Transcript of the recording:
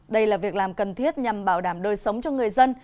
đây là việc làm cần thiết nhằm bảo đảm đời sống cho người dân